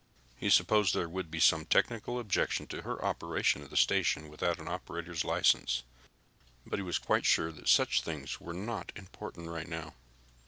He supposed there would be some technical objection to her operation of the station without an operator's license, but he was quite sure that such things were not important right now.